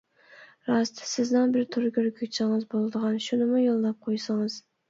راست: سىزنىڭ بىر تور كۆرگۈچىڭىز بولىدىغان شۇنىمۇ يوللاپ قويسىڭىز.